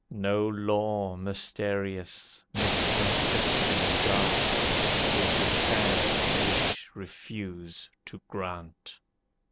No law mysterious, misconception dark, Would the sad wish refuse to grant.